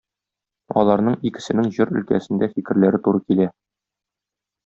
Аларның икесенең җыр өлкәсендә фикерләре туры килә.